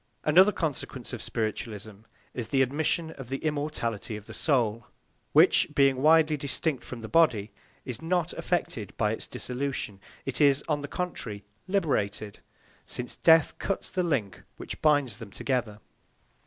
Another consequence of spiritualism is the admission of the immortality of the soul, which, being widely distinct from the body, is not affected by its dissolution; it is, on the contrary, liberated, since death cuts the link which binds them together.